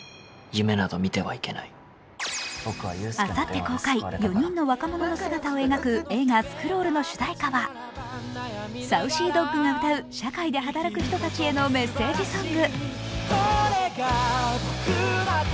あさって公開、４人の若者の姿を描く映画「スクロール」の主題歌はＳａｕｃｙＤｏｇが歌う社会で働く人たちへのメッセージソング。